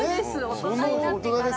大人になってから。